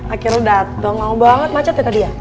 akhirnya dateng lama banget macet ya tadi ya